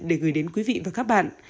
để gửi đến quý vị và các bạn